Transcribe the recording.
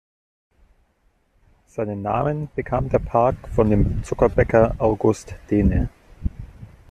Seinen Namen bekam der Park von dem Zuckerbäcker August Dehne.